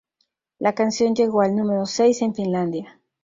La canción llegó al número seis en Finlandia.